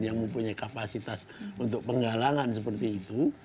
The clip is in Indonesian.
yang mempunyai kapasitas untuk penggalangan seperti itu